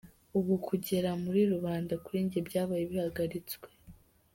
Ubu kugera muri rubanda kuri njye byabaye bihagaritswe.